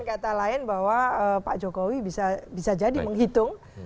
kata lain bahwa pak jokowi bisa jadi menghitung